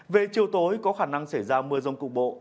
về chiều tối có khả năng xảy ra mưa rông cục bộ